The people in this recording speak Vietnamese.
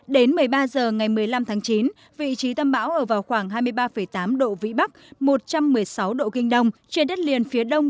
đến một mươi ba h ngày một mươi năm tháng chín vị trí tâm bão ở vào khoảng hai mươi ba tám độ vĩ bắc một trăm một mươi sáu độ kinh đông trên đất liền phía đông